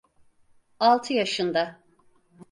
Altı yaşında.